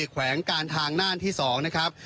แขวงการทางน่านที่๒นะครับ